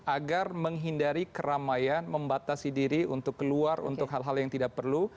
agar menghindari keramaian membatasi diri untuk keluar untuk hal hal yang tidak perlu